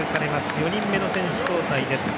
４人目の選手交代です。